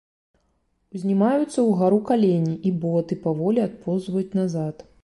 Узнімаюцца ўгару калені і боты, паволі адпоўзаюць назад.